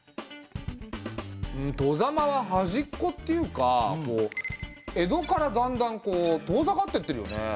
外様は端っこっていうか江戸からだんだん遠ざかってってるよね。